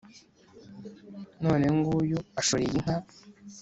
none nguyu ashoreye inka